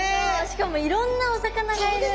しかもいろんなお魚がいる！